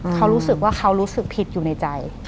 เขารู้สึกว่าผิดอยู่ในใจ